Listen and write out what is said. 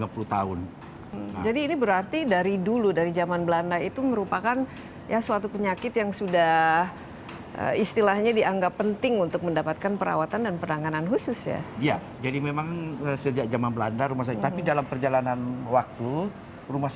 kedua wilayah itu sama sama memiliki skor prevalensi dua tujuh kasus dalam sejarah